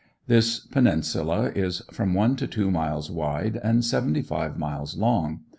This Peninsula is from one to two miles wide and seventy five miles long.